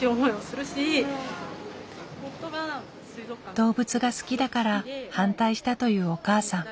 動物が好きだから反対したというお母さん。